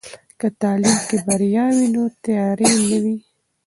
که تعلیم کې بریا وي، نو تیارې نه وي.